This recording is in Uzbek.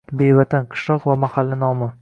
Bevatan – qishloq va mahalla nomi.